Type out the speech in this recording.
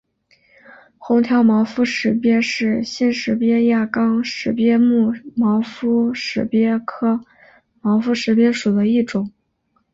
红条毛肤石鳖是新石鳖亚纲石鳖目毛肤石鳖科毛肤石鳖属的一种。